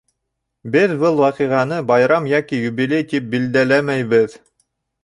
— Беҙ был ваҡиғаны байрам йәки юбилей тип билдәләмәйбеҙ.